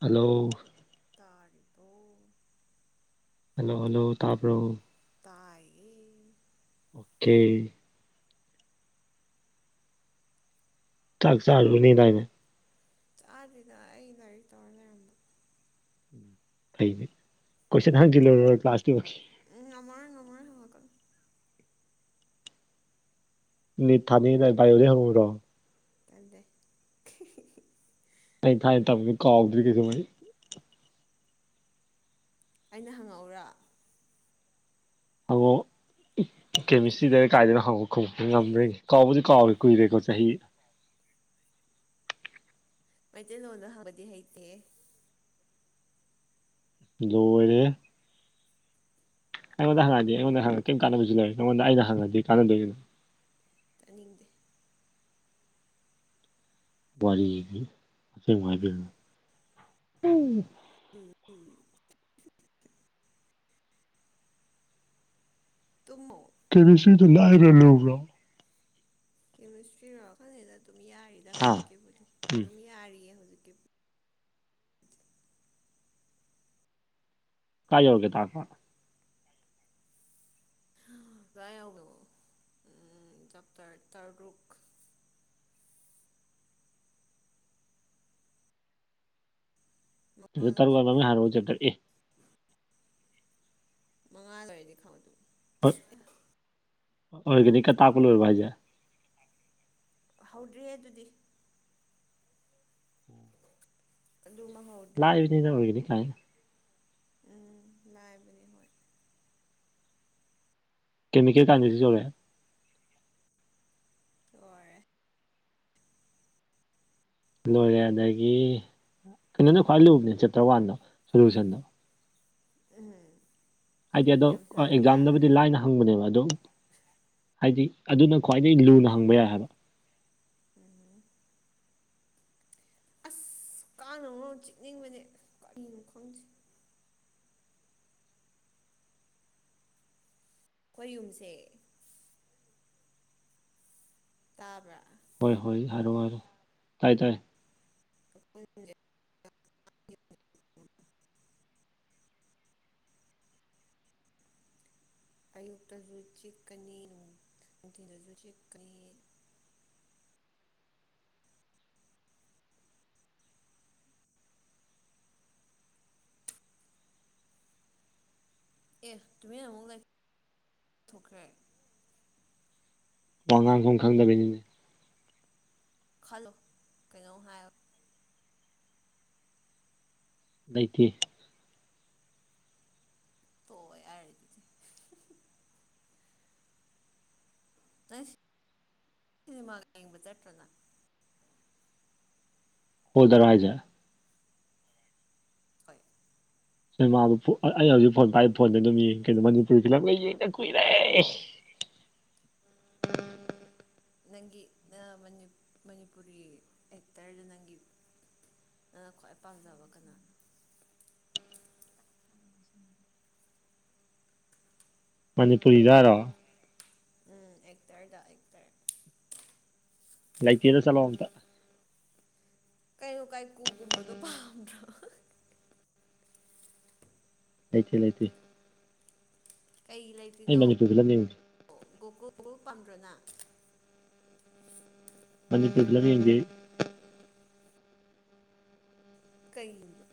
hello ꯇꯥꯔꯤꯕꯣ hello hello ꯇꯥꯕ꯭ꯔꯣ ꯇꯥꯏꯌꯦ ꯀꯦ ꯆꯥꯛ ꯆꯔꯨꯅꯤ ꯗꯥꯏꯅꯦ ꯆꯥꯗꯔ꯭ꯤꯗ ꯑꯩ ꯂꯥꯏꯔꯤꯛ ꯇꯧꯔ ꯂꯩꯔꯝꯕ ꯐꯩꯅꯦ ꯀꯣꯏꯁꯟ ꯍꯥꯡꯖꯤꯜꯂꯔꯣꯏ ꯀ꯭ꯂꯥꯁꯇꯤꯃꯛꯀꯤ ꯎ ꯉꯝꯃꯔꯣꯏ ꯉꯝꯃꯥꯔꯣꯏ ꯍꯪꯉꯛꯀ ꯅꯣ ꯅꯠ ꯊꯥꯅꯤꯗꯥꯏ ꯕꯥꯏꯌꯣ ꯗꯩ ꯍꯧꯔꯤꯔꯣ ꯅꯠꯇꯦ ꯑꯩ ꯊꯥꯏꯅ ꯇꯝꯒꯤ ꯀꯥꯎꯗ꯭ꯔꯤ ꯀꯩꯁꯨꯍꯥꯏ ꯑꯩꯅ ꯍꯪꯉꯛꯎꯔ ꯍꯥꯉꯛ ꯑꯣ ꯀꯦꯃꯤꯁꯇ꯭ꯔꯤ ꯇꯜꯂꯦ ꯇꯔ ꯀꯥꯏꯗꯅ ꯍꯪꯉꯣ ꯈꯨꯝꯕ ꯉꯝꯕꯔꯥ ꯌꯦꯡꯒꯦ ꯀꯥꯎꯕꯨꯗꯤ ꯀꯥꯎꯔꯦ ꯀꯨꯏꯔꯦꯀꯣ ꯆꯍꯤ ꯃꯩꯇꯩꯂꯣꯟꯗ ꯍꯪꯕꯗꯤ ꯍꯩꯇꯦꯍꯦ ꯂꯣꯏꯔꯦꯍꯦ ꯑꯩꯉꯣꯟꯗ ꯍꯪꯉꯗꯤ ꯑꯩꯉꯣꯟꯗ ꯍꯪꯉ ꯀꯝ ꯀꯥꯟꯅꯕꯁꯨ ꯂꯩꯔꯣꯏ ꯃꯉꯣꯟꯗꯥ ꯑꯩꯅꯥ ꯍꯪꯉꯗꯤ ꯀꯥꯟꯅꯗꯣꯏꯅꯣ ꯇꯥꯅꯤꯡꯗꯦ ꯋꯥꯔꯤꯗꯤ ꯑꯁꯦꯡꯕ ꯍꯥꯏꯕꯤꯔꯒꯥ ꯎꯝ ꯎꯝ ꯇꯨꯝꯃꯣ ꯀꯦ ꯕꯤ ꯁꯤꯗꯣ ꯂꯥꯏꯕ꯭ꯔꯥ ꯂꯧꯕ꯭ꯔꯣ ꯀꯦꯃꯤꯁꯇ꯭ꯔꯤꯔꯣꯈꯜꯅꯤꯗ ꯑꯗꯨꯝ ꯌꯥꯔꯤꯗ ꯍꯥ ꯍꯧꯖꯤꯛꯀꯤꯕꯨꯗꯤ ꯎꯝ ꯑꯗꯨꯝ ꯌꯥꯔꯤꯌꯦ ꯍꯧꯖꯤꯛꯀꯤ ꯀꯥꯏ ꯌꯧꯔꯒꯦ ꯇꯥꯛꯄ ꯌꯥꯥꯏ ꯑꯅꯦꯕ ꯗꯞ ꯇꯔ ꯇꯔꯨꯛ ꯃꯉꯥ ꯑꯗꯨꯗ ꯂꯣꯏ ꯇꯔꯨꯛꯕ ꯑꯃ ꯍꯔꯣ ꯆꯦꯇꯔ ꯑꯦ ꯃꯉꯥ ꯑꯗꯨꯋꯥꯏꯗꯤ ꯈꯪꯕꯗ ꯑꯣꯔꯒꯦꯅꯤꯛꯀ ꯇꯥꯄ ꯂꯣꯏꯔꯥꯕꯤ ꯍꯥꯏꯁꯦ ꯍꯧꯗ꯭ꯔꯤꯍꯦ ꯑꯗꯨꯗꯤ ꯑꯗꯨ ꯃꯥ ꯍꯧ ꯂꯥꯏꯕꯅꯤꯗ ꯑꯣꯏꯔꯒꯅꯤ ꯀꯥꯏ ꯎꯝ ꯂꯥꯏꯕꯅꯤ ꯍꯣꯏ ꯀꯦꯃꯤꯀꯦꯜ ꯀꯥꯟꯗꯁꯤ ꯌꯧꯔꯦ ꯂꯣꯏꯔꯦ ꯂꯣꯏꯔꯦ ꯑꯗꯒꯤ ꯀꯩꯅꯣꯅ ꯈ꯭ꯋꯥꯏ ꯂꯨꯕꯅꯦ ꯆꯦꯞꯇꯔ ꯋꯥꯟꯗꯣ ꯁꯣꯂꯨꯁꯟꯗꯣ ꯎꯝ ꯍꯥꯏꯗꯤ ꯑꯗꯣ ꯌꯥꯝ ꯁꯥꯡꯗ꯭ꯔꯥ ꯑꯦꯛꯖꯥꯝꯗꯕꯨꯗꯤ ꯂꯥꯏꯅ ꯍꯪꯕꯅꯦꯕ ꯑꯣ ꯍꯥꯏꯗꯤ ꯑꯗꯨꯅ ꯈ꯭ꯋꯥꯏꯗꯒꯤ ꯂꯨꯅ ꯍꯪꯕ ꯌꯥꯏ ꯍꯥꯏꯕ ꯎꯝ ꯑꯁ ꯀꯥꯟꯅꯣ ꯆꯤꯛꯅꯤꯡꯕꯅꯦ ꯀꯔꯤꯅꯣ ꯈꯪꯗꯦ ꯑꯩꯈꯣꯏ ꯌꯨꯝꯁꯦ ꯇꯥꯕ꯭ꯔꯥ ꯍꯣꯏ ꯍꯣꯏ ꯍꯥꯏꯔꯣ ꯍꯥꯏꯔ ꯇꯥꯏ ꯇꯥꯏ ꯄꯨ ꯑꯌꯨꯛꯇꯁꯨ ꯆꯤꯛꯀꯅꯤ ꯅꯨꯡꯊꯤꯜꯗꯁꯨ ꯆꯤꯛꯀꯅꯤ ꯑꯦ ꯇꯨꯃꯤꯟꯅ ꯑꯃꯨꯛ ꯂꯩꯊꯣꯛꯈ꯭ꯔꯦ ꯋꯥꯉꯥꯡꯐꯝ ꯈꯪꯗꯕꯩꯅꯤꯅꯦ ꯈꯜꯂꯣ ꯀꯩꯅꯣꯝ ꯍꯥꯏꯌꯣ ꯂꯩꯇꯦ ꯇꯣꯛꯑꯣ ꯌꯥꯔꯦ ꯑꯗꯨꯗꯤ [unintelligible] ꯁꯤꯅꯤꯃꯥ ꯌꯦꯪꯕꯥ ꯆꯇꯔꯣ ꯅꯪ ꯍꯣꯜꯗꯔꯣ ꯍꯥꯏꯖꯦ [unintelligible] ꯁꯤꯅꯦꯃꯥ ꯑꯩ ꯍꯧꯖꯤꯛ ꯐꯣꯟ ꯄꯥꯏ ꯐꯣꯟꯗ ꯑꯗꯨꯝ ꯀꯩꯅꯗꯣ ꯃꯅꯤꯄꯨꯔꯤ ꯐꯤꯂꯝ ꯂꯩ ꯌꯦꯡꯗ ꯀꯨꯏꯔꯦ ꯅꯪꯒꯤꯅꯤ ꯃꯅꯤꯄꯨꯔꯤ ꯑꯦꯛꯇꯔꯗꯨ ꯅꯪꯒꯤ ꯅꯪ ꯈ꯭ꯋꯥꯏ ꯄꯥꯝꯖꯕ ꯀꯅꯥꯅꯣ ꯃꯅꯤꯄꯨꯔꯤꯗꯔꯣ ꯎꯝ ꯑꯦꯛꯇꯔꯗ ꯑꯦꯛꯇꯔ ꯂꯥꯏꯇꯦꯗ ꯆꯠꯂꯣ ꯀꯩꯔꯨ ꯀꯥꯏꯀꯨꯒꯨꯝꯕꯗꯣ ꯄꯥꯝꯗꯔꯣ ꯂꯩꯇꯦ ꯂꯩꯇꯦ ꯀꯩꯒꯤ ꯂꯩ ꯑꯩ ꯃꯅꯤꯄꯒꯂꯅꯤ [unintelligible] [unintelligible] ꯀꯩꯒꯤꯅꯣ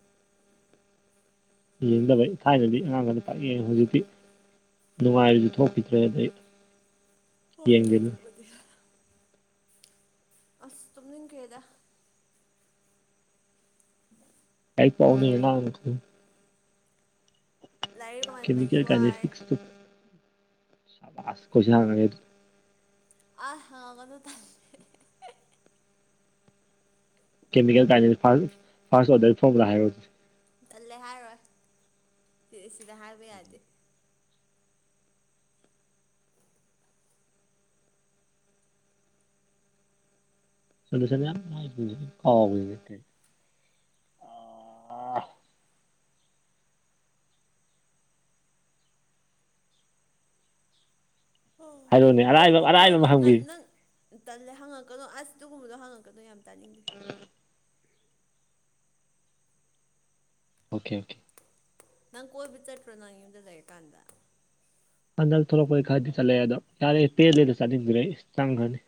ꯅꯤꯡꯗꯕꯩ ꯊꯥꯏꯅꯗꯤ ꯑꯉꯥꯡꯈꯅ ꯇꯥꯛꯑ ꯍꯧꯖꯤꯛꯇꯤ ꯅꯨꯡꯉꯥꯏꯕꯗꯨ ꯊꯣꯛꯈꯤꯗ꯭ꯔꯦ ꯑꯗꯩ ꯍꯣꯏ ꯌꯦꯡꯗꯦꯗ ꯑꯗꯨꯕꯨꯗꯤ ꯑꯁ ꯇꯨꯝꯅꯤꯡꯈ꯭ꯔꯦꯗ [inaudible] [inaudible] ꯂꯥꯏꯔꯤꯛ ꯄꯥꯃꯟꯕꯒꯤ ꯋꯥꯔꯦ [unintelligible] [unintelligible] ꯀꯦꯃꯦꯜꯥꯏ ꯐ ꯐꯥꯁ ꯑꯣꯔ [unintelligible] ꯇꯜꯂꯦ ꯍꯥꯏꯔꯣꯏ ꯁꯤ ꯁꯤꯗ ꯍꯥꯏꯕ ꯌꯥꯗꯦ ꯁꯣꯂꯁꯟ ꯌꯥꯝ ꯀꯥꯎ ꯍ ꯍꯥꯏꯔꯣꯅꯦ ꯑꯔꯥꯏꯕ ꯅꯥꯪꯕꯨ ꯑꯔꯥꯏꯕ ꯀꯣꯏꯕ ꯑꯃ ꯅ ꯍꯪꯕꯤꯌꯨ ꯅꯪ ꯇꯜꯂꯦ ꯍꯪꯉꯛꯀꯅꯣ ꯑꯁ ꯑꯗꯨꯒꯨꯝꯕꯗꯣ ꯍꯪꯉꯛꯀꯅꯣ ꯌꯥꯝ ꯇꯥꯅꯤꯡꯗꯦ [inaudible] ꯑꯣꯀꯦ ꯑꯣꯀꯦ ꯅꯪ ꯀꯣꯏꯕ ꯆꯠꯇꯔꯣ ꯅ ꯌꯨꯝꯗ ꯂꯩꯔꯤꯀꯥꯟꯗ ꯍꯟꯗꯛ ꯊꯣꯛꯂꯛꯄꯒꯤ ꯈꯔꯗꯤ ꯆꯠꯂꯛꯦ ꯑꯣ ꯌꯥꯔꯦ ꯄꯦꯟꯦꯜꯂꯦꯗ ꯆꯠꯅꯤꯡꯗ꯭ꯔꯦ ꯆꯪꯈ꯭ꯔꯅꯤ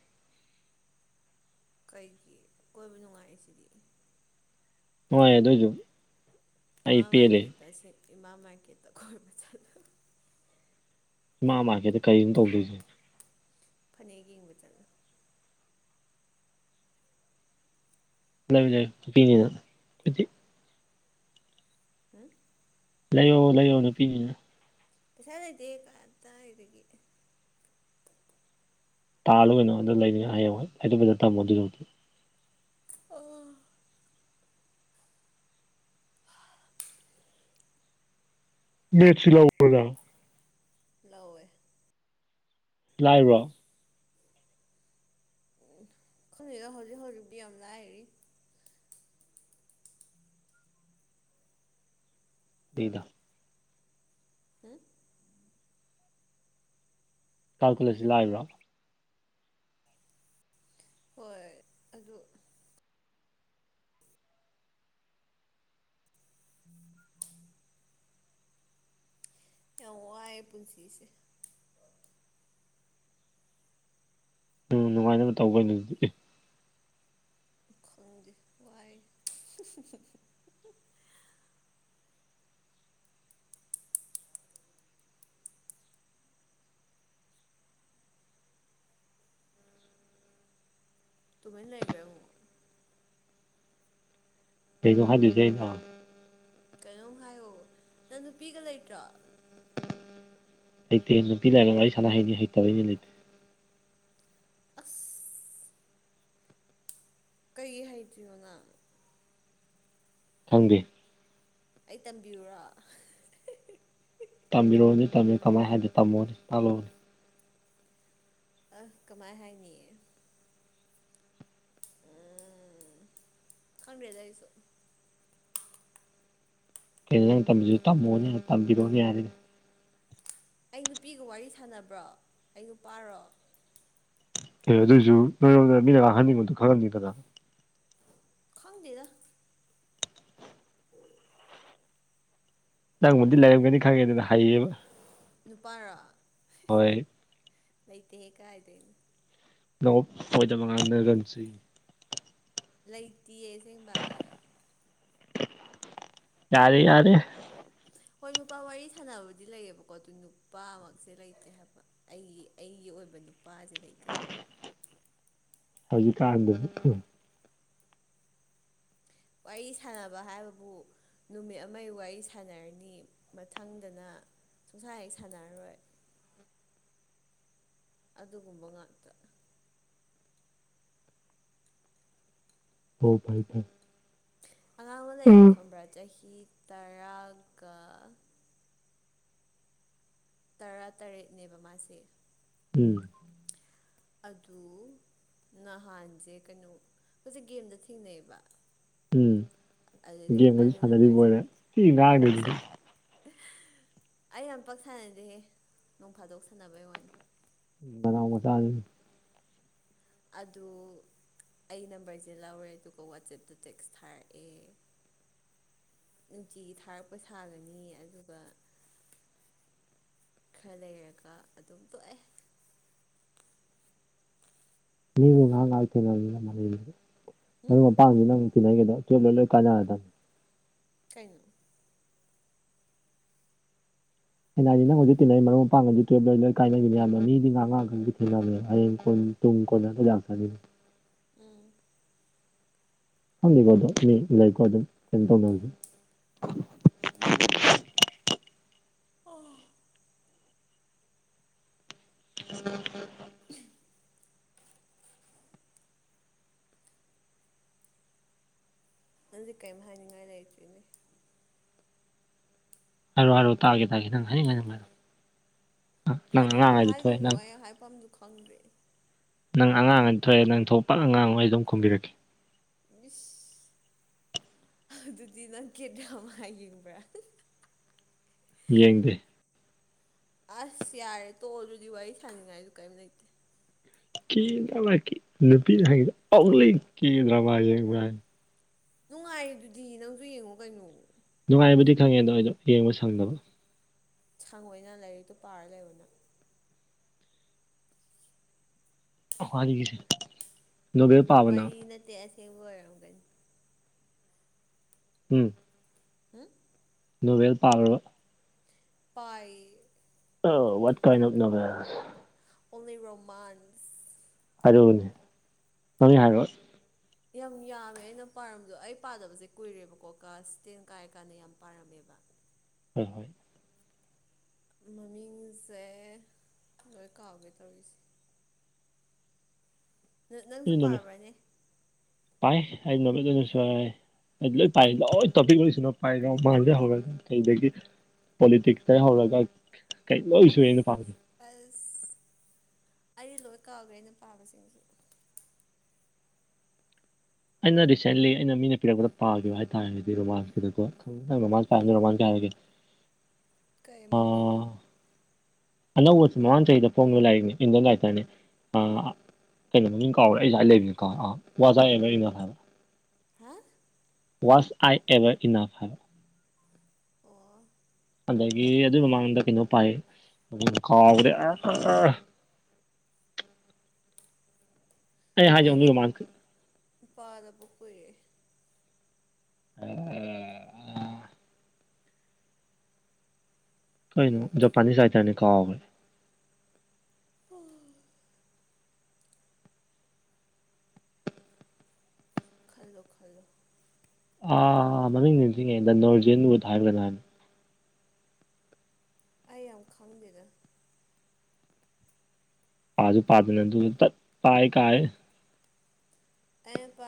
ꯀꯩꯒꯤ ꯀꯣꯏꯕ ꯅꯨꯡꯉꯥꯏꯁꯤꯗꯤ ꯍꯣꯏ ꯑꯗꯨꯏꯗꯨ ꯏꯃꯥ ꯃꯥꯔꯀꯦꯠꯇ ꯑꯩꯁ‌ꯦ ꯏꯃꯥ ꯃꯥꯔꯀꯦꯠꯇ ꯀꯣꯏꯕ ꯆꯠ ꯏꯃꯥ ꯃꯥꯔꯀꯦꯠꯇ ꯀꯔꯤꯅ‌ꯣ ꯇꯧꯗꯣꯏꯁꯦ ꯐꯅꯦꯛ ꯌꯦꯡꯕ ꯆꯠꯂꯣ ꯂꯩꯕꯤ ꯂꯩꯕꯤꯅꯤꯅ [unintelligible] ꯍꯥ ꯂꯩꯌꯣ ꯂꯩꯌꯣ ꯅꯨꯄꯤꯅꯤꯅ ꯄꯩꯁꯥ ꯂꯩꯇꯦ ꯀ ꯗꯥꯏꯗꯒꯤ ꯇꯥꯂꯨ ꯀꯩꯅꯣ ꯑꯗ ꯂꯩꯅꯤ ꯍꯌꯦꯡꯏ ꯋꯥꯏ ꯐꯖ ꯇꯝꯃꯣ ꯑꯗꯨꯗꯧꯗꯤ ꯑ ꯃꯦꯠꯁꯤ ꯂꯥꯎꯕ ꯅꯪ ꯂꯧꯋꯦ ꯂꯥꯏꯕ꯭ꯔꯣ ꯎꯝ ꯈꯪꯉꯒ ꯍꯧꯖꯤꯛ ꯍꯧꯖꯤꯛꯇꯤ ꯌꯥꯝ ꯂꯥꯏꯔꯤ [unintelligible] ꯍꯥ ꯀꯥꯜꯀꯨꯂꯁꯁꯦ ꯂꯥꯏꯕ꯭ꯔꯣ ꯍꯣꯏ ꯑꯗꯨ ꯌꯥꯝ ꯋꯥꯏꯌꯦ ꯄꯨꯟꯁꯤꯁꯦ ꯎꯝ ꯅꯨꯡꯉꯥꯏꯅꯕ ꯇꯧ ꯀꯩꯅꯣ ꯑꯗꯨ ꯈꯪꯗꯦ ꯋꯥꯏꯌ‌ꯦ ꯇꯨꯃꯤꯟ ꯂꯩꯒ꯭ꯔꯦ ꯑꯃꯨꯛ ꯀꯩꯅꯣ ꯍꯥꯏꯗ‌ꯣꯏꯖꯦ ꯑꯩꯅ ꯀꯩꯅꯣꯝ ꯍꯥꯏꯌꯣ ꯅꯪ ꯅꯨꯄꯤꯒ ꯂꯩꯇ꯭ꯔꯣ ꯍꯩꯇꯦ ꯅꯨꯄꯤ ꯂꯩꯥꯏꯔꯒ ꯋꯥꯔꯤ ꯁꯥꯟꯅ ꯍꯩꯅꯤ ꯍꯩꯇꯕꯩꯅꯤ ꯂꯩꯇꯦ ꯑꯁꯁ ꯀꯩꯒꯤ ꯍꯩꯇ꯭ꯔꯤꯅꯣ ꯅꯪ ꯈꯪꯗꯦ ꯑꯩ ꯇꯝꯕꯤꯌꯨꯔ‌ꯣ ꯇꯝꯕꯤꯔꯣꯅꯤ ꯇꯝꯃꯨ ꯀꯃꯥꯏ ꯍꯥꯏꯗ‌ꯣꯏꯅ‌ꯣ ꯇꯝꯃꯣꯅ‌ꯦ ꯇꯛꯂꯛꯂꯣꯅ‌ꯦ ꯑ ꯀꯃꯥꯏ ꯍꯥꯏꯅꯤ ꯎꯝ ꯈꯪꯗꯔꯦꯗ ꯑꯩꯁꯨ ꯀꯩꯅꯣ ꯅꯪ ꯇꯝꯁ‌ꯦ ꯇꯝꯃꯣꯅ‌ꯦ ꯇꯝꯕꯤꯔꯣꯅ‌ꯦ ꯌꯥꯔꯦꯅꯦ ꯑꯩ ꯅꯨꯄꯤꯒ ꯋꯥꯔꯤ ꯁꯥꯟꯅꯕ꯭ꯔꯣ ꯑꯩ ꯅꯨꯄꯥꯔꯣ ꯑꯦ ꯑꯗꯨ ꯑꯣꯏꯁꯨ [unintelligible] ꯃꯤꯅ ꯉꯥꯡꯍꯟꯅꯤꯡꯕꯗꯣ ꯈꯪꯉꯝꯅꯤꯗꯅ ꯈꯪꯗꯦꯗ ꯎ ꯅꯪꯕꯨꯗꯤ ꯂꯩꯔꯝꯒꯅꯤ ꯈꯪꯉꯦꯗꯅ ꯍꯩꯌꯦꯕ ꯅꯨꯄꯥꯔꯣ ꯍꯣꯏ ꯂꯩꯇꯦꯍꯦ ꯀꯥꯏꯗꯩꯅꯣ ꯅꯎꯞ ꯑꯣꯏꯗꯕ ꯉꯥꯡꯅꯒꯨꯝꯁꯤ ꯂꯩꯇꯤꯌꯦ ꯑꯁꯦꯡꯕ ꯌꯥꯔꯦ ꯌꯥꯔꯦ ꯍꯣꯏ ꯅꯨꯄꯥ ꯋꯥꯔꯤ ꯁꯥꯟꯅꯕꯗꯤ ꯂꯩꯌꯦꯕꯀꯣ ꯑꯗꯨ ꯅꯨꯄꯥꯃꯛꯁꯦ ꯂꯩꯇꯦ ꯍꯥꯏꯕ ꯑꯩꯒꯤ ꯑꯩꯒꯤ ꯑꯣꯏꯕ ꯅꯨꯄꯥꯖꯦ ꯂꯩꯇꯦ ꯍꯥꯏꯕ ꯍꯧꯖꯤꯛꯀꯥꯟꯗꯕꯨ ꯋꯥꯔꯤ ꯁꯥꯟꯅꯕ ꯍꯥꯏꯕꯕꯨ ꯅꯨꯃꯤꯠ ꯑꯃꯩ ꯋꯥꯔꯤ ꯁꯥꯟꯅꯔꯅꯤ ꯃꯊꯪꯗꯅ ꯁꯨꯡꯁꯥ ꯍꯦꯛ ꯁꯥꯟꯅꯔꯔꯣꯏ ꯑꯗꯨꯒꯨꯝꯕ ꯉꯥꯛꯇ ꯑ‌ꯣ ꯐꯩ ꯐꯩ ꯑꯉꯥꯡ ꯑꯃ ꯂꯩꯌ‌ꯦꯕ ꯎꯝ ꯈꯪꯕ꯭ꯔꯥ ꯆꯍꯤ ꯇꯔꯥꯒ ꯇꯔꯥ ꯇꯔꯦꯠꯅꯦꯕ ꯃꯥꯁꯦ ꯎꯝ ꯑꯗꯨ ꯅꯍꯥꯟꯁꯦ ꯀꯩꯅꯣ ꯍꯧꯣꯏꯁꯛ ꯒꯦꯝꯗ ꯊꯦꯡꯅꯩꯑꯕ ꯎꯝ ꯑꯗꯨꯗꯒꯤ ꯒꯦꯝꯒꯁꯨ ꯃꯥꯅ ꯁꯥꯟꯅꯔꯤꯕ ꯅꯝꯕꯔꯁꯦ ꯑꯣꯏꯔꯦ ꯊꯤ ꯍꯣꯏ ꯉꯥꯡꯉꯤꯗꯨꯗꯤ ꯁꯥꯏ ꯑꯩ ꯑꯃ ꯄꯛ ꯁꯥꯟꯅꯁꯦ ꯅꯣꯡ ꯐꯥꯗꯣꯛ ꯁꯥꯟꯅꯕꯩ ꯋꯥꯅꯤ ꯗꯥꯝꯕꯗꯥꯜ ꯑꯗꯨ ꯑꯩ ꯅꯝꯕꯔꯁꯦ ꯂꯧꯔꯦ ꯑꯗꯨꯒ ꯋꯥꯆꯦꯞꯇ ꯇꯦꯛꯁ ꯊꯥꯔꯛꯑꯦ ꯅꯨꯡꯇꯤꯒꯤ ꯊꯥꯔꯛꯄ ꯁꯥꯒꯅꯤ ꯑꯗꯨꯒ ꯈꯔ ꯂꯩꯔꯒ ꯑꯗꯨꯝ ꯇꯣꯛꯑꯦ ꯃꯤꯕꯨ ꯉꯥꯏꯍꯥꯛ ꯉꯥꯏꯍꯥꯛ [unintelligible] ꯎꯝ ꯃꯔꯨꯞ ꯃꯄꯥꯡꯗꯨ ꯅꯪ ꯇꯤꯟꯅꯈꯤꯕꯗ‌ꯣ [unintelligible] ꯀꯩꯅꯣ ꯑꯩꯅ ꯍꯥꯏꯗꯤ ꯅꯪ ꯍꯧꯖꯤꯛ ꯊꯤꯟꯅꯩ ꯃꯔꯨꯞ ꯃꯄꯥꯡ ꯒꯩꯗꯨ ꯇꯨꯌꯦꯞ ꯂꯣꯏꯔ ꯂ‌ꯣꯏ ꯀꯥꯏꯅꯈꯤꯅꯤ ꯍꯥꯏꯕꯥ ꯃꯤꯗꯤ ꯉꯥꯏꯍꯛ ꯉꯥꯏꯍꯛ‌ꯀꯤ ꯁꯨꯝ ꯇꯤꯟꯅꯕꯅ‌ꯦꯕ ꯍꯌꯦꯡ ꯀꯣꯟꯅ ꯇꯨꯡ ꯀꯣꯏꯅꯗ ꯌꯥꯝ ꯐꯈꯤꯅꯤ ꯎꯝ ꯈꯪꯗ‌ꯦꯗ ꯑꯗꯣ ꯀꯔꯤ ꯂꯩꯀꯣ ꯑꯗꯨꯝ ꯀꯩꯅꯣ ꯇꯧꯅꯕꯁꯤ ꯑꯣ ꯎꯝ [inaudible] ꯅꯪꯗꯤ ꯀꯔꯤꯝ ꯍꯥꯏꯅꯤꯡꯉꯥꯏ ꯂꯩꯇ꯭ꯔꯤꯅꯦ ꯍꯥꯏꯔꯣ ꯍꯔꯣ ꯇꯥꯒꯦ ꯇꯥꯦ ꯅꯪ ꯍꯥꯏꯅꯤꯡꯣ ꯀꯔꯤꯕꯨ ꯊꯣꯛꯑꯦ ꯍꯥꯏꯗꯣꯏꯅꯣ ꯅꯪ ꯑꯩ ꯍꯥꯏꯐꯝꯗꯨ ꯈꯪꯗ꯭ꯔꯦ ꯅꯪ ꯑꯉꯥꯡ ꯑꯅꯤ ꯊꯣꯛꯑꯦ ꯅꯪ ꯊꯣꯛꯄ ꯄ ꯑꯉꯥꯡꯍꯣꯏ ꯑꯩ ꯑꯗꯨꯝ ꯈꯨꯝꯕꯤꯔꯛꯀꯦ ꯃꯤꯁ ꯑꯗꯨꯗꯤ ꯅꯪꯒꯤꯦ ꯗ꯭ꯔꯃꯥ ꯌꯦꯡꯕ꯭ꯔꯥ ꯌꯦꯡꯗꯦ ꯑꯁ ꯌꯥꯔꯦ ꯇꯣꯛꯑꯣ ꯑꯗꯨꯗꯤ ꯋꯥꯔꯤ ꯁꯥꯥꯟꯅꯤꯡꯉꯥꯏꯗꯨ ꯀꯔꯤꯝ ꯂꯩꯇꯦ ꯀꯦꯟꯗ꯭ꯔꯕ ꯅꯨꯄꯤꯅ ꯍꯥꯏꯪꯉꯗ ꯑꯣꯥꯎꯂꯤ ꯀꯦꯟꯗ꯭ꯔꯕ ꯌꯦꯡꯕ꯭ꯔ ꯍꯥꯏꯅꯤ ꯅꯨꯡꯉꯥꯏꯌꯦ ꯑꯗꯨꯗꯤ ꯅꯪꯁꯨ ꯌꯦꯡꯉꯣ ꯀꯩꯅꯣ ꯅꯨꯡꯉꯥꯏꯕꯕꯨꯗꯤ ꯈꯪꯉꯦꯗꯣ ꯑꯩꯗꯣ ꯌꯦꯡꯕ ꯁꯪꯗꯕ ꯊꯥꯡ ꯑꯣꯏꯅ ꯂꯥꯏꯔꯤꯛꯇꯣ ꯄꯥꯔ ꯂꯩꯕꯅ ꯍꯗꯤ ꯀꯁꯤꯦ ꯋꯥꯔꯤ ꯅꯠꯇꯦ ꯑꯁꯦꯡꯕ ꯑꯣꯏꯔꯝꯒꯅꯤ ꯎꯝ ꯍꯝ ꯅꯣꯕꯦꯜ ꯄꯥꯕ꯭ꯔꯕ ꯄꯥꯏ ꯑ ꯋꯥꯠ ꯀꯥꯏꯟ ꯑꯣꯐ ꯅꯥꯕꯦꯜ ꯑꯣꯂꯏ ꯔꯣꯍꯃꯥꯟ ꯑꯗꯨꯅꯦ ꯅꯪꯅꯤ ꯍꯥꯏꯔꯛꯑꯣ ꯌꯥꯝ ꯌꯥꯝꯃꯦ ꯑꯩꯅ ꯄꯥꯔꯝꯕꯗꯣ ꯑꯩ ꯄꯥꯗꯕꯁꯦ ꯀꯨꯏꯔꯦꯕꯀꯣ ꯀꯥꯁꯇꯦꯟ ꯀꯥꯏꯔ ꯀꯥꯟꯗ ꯌꯥꯝ ꯄꯥꯔꯝꯃꯦꯕ ꯍꯣꯏ ꯍꯣꯏ ꯃꯃꯤꯡꯁꯦ ꯂꯣꯏ ꯀꯥꯎꯒꯦ ꯇꯧꯔꯤꯁꯦ ꯅꯪꯁꯨ ꯑꯩ ꯅꯣꯕꯦꯜ ꯄꯥꯔꯕꯅꯦ ꯄꯥꯏ ꯑꯩ ꯅꯣꯃꯤꯠ ꯑꯣꯏꯅꯁꯨ ꯍꯥꯏ ꯑꯩꯗꯤ ꯂꯣꯏ ꯄꯥꯏ ꯂꯣꯏ ꯇꯣꯄꯤꯛ ꯂꯥꯏ ꯁꯨꯅꯥ ꯄꯥꯏ ꯂꯣꯏ ꯃꯥꯗꯩ ꯍꯧꯕꯒ ꯑꯗꯒꯤ ꯄꯣꯂꯤꯇꯤꯛꯁꯇ ꯍꯧꯔꯒ ꯀꯩ ꯂꯣꯏ ꯁꯨꯏ ꯑꯩꯅ ꯑꯁ ꯄꯥꯕꯗꯣ ꯑꯁ ꯑꯩ ꯂꯣꯏ ꯀꯥꯎꯈ꯭ꯔꯦ ꯑꯩꯅ ꯄꯥꯕꯁꯤꯡꯁꯨ ꯑꯩꯅ ꯔꯤꯁꯦꯟꯂꯤ ꯑꯩꯅ ꯃꯤꯅ ꯄꯤꯔꯛꯄꯗ ꯄꯥꯈꯤꯕ ꯍꯥꯏꯇꯥꯔꯒꯗꯤ ꯔꯣꯃꯥꯟꯁꯤꯗꯀꯣ ꯎꯝ [unintelligible] ꯀꯩ ꯃꯃꯤꯡꯅꯣ ꯑꯅꯧꯕꯁꯨ ꯃꯃꯥꯡ ꯆꯍꯤꯗ ꯐꯣꯡꯉꯤꯕ ꯂꯥꯏꯔꯤꯛꯅꯤ ꯏꯟꯗꯤꯌꯟ ꯔꯥꯏꯇꯔꯅꯦ ꯑ ꯀꯩꯅꯣ ꯃꯃꯤꯡ ꯀꯥꯎꯒ꯭ꯔꯦ ꯑꯩ ꯖꯥꯢ ꯂꯩꯕꯅꯦ ꯀ ꯑꯥ ꯋꯥꯖꯥꯏꯕꯦꯔꯤꯅꯥ ꯍꯥꯏꯕ ꯍꯥ ꯋꯥꯁ ꯑꯥꯏ ꯑꯦꯕꯔ ꯏꯅꯐ ꯍꯥꯏꯕ ꯑꯣ ꯑꯗꯒꯤ ꯑꯗꯨꯏ ꯃꯃꯥꯡꯗ ꯀꯩꯅꯣ ꯄꯥꯏ ꯀꯥꯎꯒ꯭ꯔꯦ ꯑꯑꯍꯑ ꯑꯩ ꯍꯥꯏꯖꯦ ꯑꯣꯡꯂꯤ ꯑꯩꯗꯤ ꯔꯣꯃꯥꯟꯁ ꯄꯥꯗꯕ ꯀꯨꯏꯔꯦ ꯑꯑꯑ ꯀꯩꯅꯣ ꯖꯄꯥꯅꯤꯁ ꯔꯥꯏꯇꯥꯔꯅꯦ ꯀꯥꯎꯈ꯭ꯔꯦ ꯑꯣ ꯈꯜꯂꯣ ꯈꯜꯂꯣ ꯑ ꯃꯃꯤꯡ ꯅꯤꯡꯁꯤꯡꯉꯦꯗ ꯅꯣꯔꯖꯤꯟ ꯋꯨꯠ ꯍꯥꯏꯕ꯭ꯔꯥ ꯀꯩꯅꯣꯝ ꯍꯥꯏꯕꯅꯤ ꯑꯩ ꯌꯥꯝ ꯈꯪꯗꯦꯗ ꯄꯥꯖꯨ ꯄꯥꯗꯅ ꯑꯗꯨꯒ ꯇꯠ ꯄꯥꯏꯀꯥꯏ ꯑꯩꯅ ꯄꯥ